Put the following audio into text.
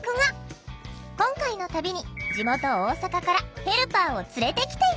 今回の旅に地元大阪からヘルパーを連れてきていた！